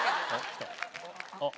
あっ！